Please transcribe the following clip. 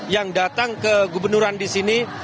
yang datang ke gubernuran di sini